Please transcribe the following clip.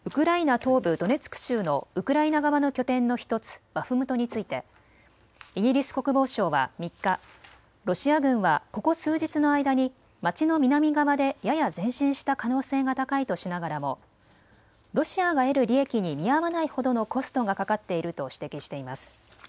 東部ドネツク州のウクライナ側の拠点の１つ、バフムトについてイギリス国防省は３日、ロシア軍はここ数日の間に町の南側でやや前進した可能性が高いとしながらもロシアが得る利益に見合わないほどのコストがかかっていると指摘しています。